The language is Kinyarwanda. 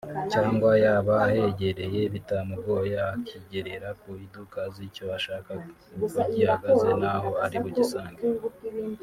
cyangwa yaba ahegereye bitamugoye akigerera ku iduka azi icyo ashaka uko gihagaze n’aho ari bugisange